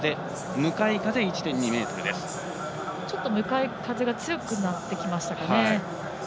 向かい風が強くなってきましたかね。